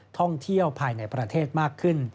ท่องเที่ยวภายในประเทศมากขึ้น